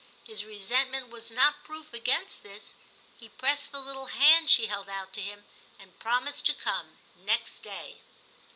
His resentment was not proof against this ; he pressed the little hand she held out to him, and promised to come next day.